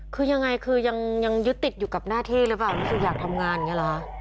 คือยังไงคือยังยึดติดอยู่กับหน้าที่หรือเปล่ารู้สึกอยากทำงานอย่างนี้เหรอคะ